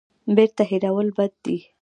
بیرته هېرول بد دی.